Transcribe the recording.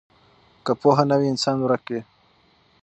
که پوهه نه وي انسان ورک وي.